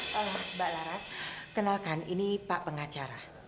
mbak bularas kenalkan ini pak pengacara